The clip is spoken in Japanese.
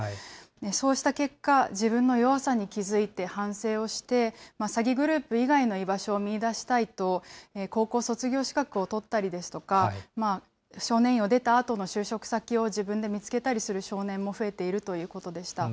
そうした結果、自分の弱さに気付いて反省をして、詐欺グループ以外の居場所を見いだしたいと、高校卒業資格を取ったりですとか、少年院を出たあとの就職先を自分で見つけたりする少年も増えているということでした。